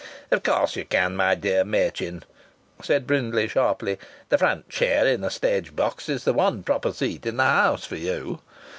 "Of course you can, my dear Machin!" said Brindley, sharply. "The front chair in a stage box is the one proper seat in the house for you.